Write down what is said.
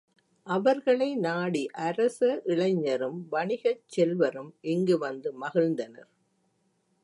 அவர்களை நாடி அரச இளைஞரும், வணிகச் செல்வரும் இங்கு வந்து மகிழ்ந்தனர்.